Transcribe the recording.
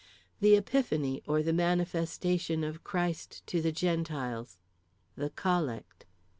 _ The Epiphany, Or the Manifestation of Christ to the Gentiles. THE COLLECT.